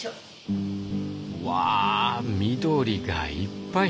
うわ緑がいっぱい。